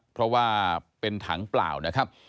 เพราะว่าเป็นถังเปล่านะครับ